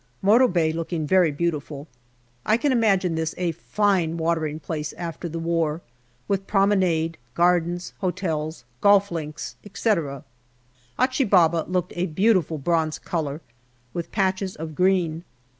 Morto Bay looking very beautiful. I can imagine this a fine watering place, after the war, with promenade, gardens, hotels, golf links, etc. Achi Baba looked a beautiful bronze colour, with patches of green.